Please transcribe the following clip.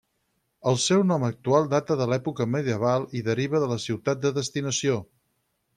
El seu nom actual data de l'època medieval i deriva de la ciutat de destinació.